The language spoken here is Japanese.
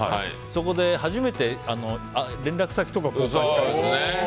そこで初めて連絡先とかを交換したんですよ。